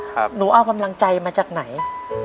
หนูเอากำลังใจมาจากไหน